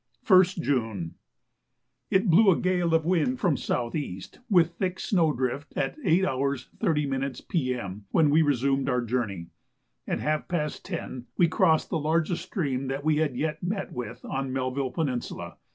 1st June. It blew a gale of wind from S.E., with thick snow drift at 8h. 30m. P.M. when we resumed our journey. At half past 10 we crossed the largest stream that we had yet met with on Melville Peninsula.